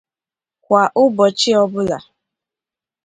kwà ụbọchị ọbụla.